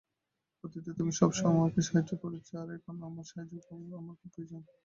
অতীতে তুমি সবসময় আমাকে সাহায্য করেছ, আর এখন তোমার সাহায্য আমার খুব প্রয়োজন।